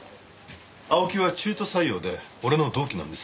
青木は中途採用で俺の同期なんです。